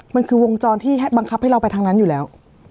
มันคือวงจรที่บังคับให้เราไปทางนั้นอยู่แล้ว